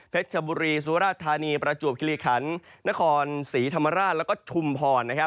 ชบุรีสุราธานีประจวบคิริขันนครศรีธรรมราชแล้วก็ชุมพร